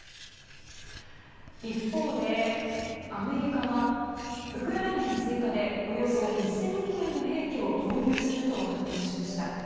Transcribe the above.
一方でアメリカはウクライナに追加でおよそ１０００億円の兵器を投入すると発表しました。